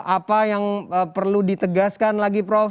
apa yang perlu ditegaskan lagi prof